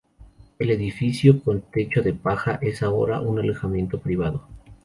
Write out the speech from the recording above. El edificio con techo de paja es ahora un alojamiento privado.